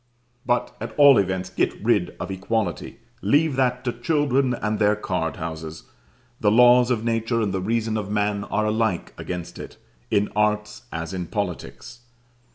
But, at all events, get rid of equality; leave that to children and their card houses: the laws of nature and the reason of man are alike against it, in arts, as in politics.